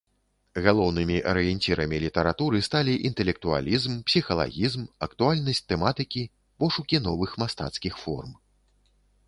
Галоўнымі арыенцірамі літаратуры сталі інтэлектуалізм, псіхалагізм, актуальнасць тэматыкі, пошукі новых мастацкіх форм.